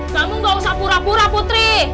kamu gak usah pura pura putri